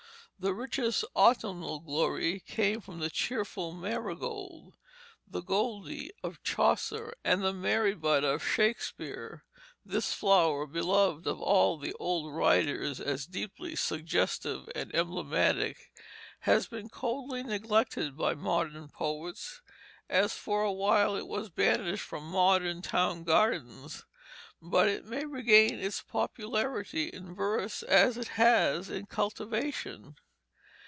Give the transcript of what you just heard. The richest autumnal glory came from the cheerful marigold, the "golde" of Chaucer, and "mary bud" of Shakespeare. This flower, beloved of all the old writers, as deeply suggestive and emblematic, has been coldly neglected by modern poets, as for a while it was banished from modern town gardens; but it may regain its popularity in verse as it has in cultivation.